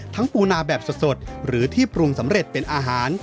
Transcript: ปูนาแบบสดหรือที่ปรุงสำเร็จเป็นอาหาร